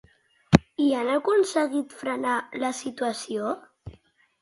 I han aconseguit frenar la situació?